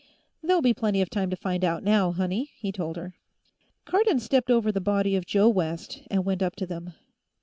"There'll be plenty of time to find out, now, honey," he told her. Cardon stepped over the body of Joe West and went up to them.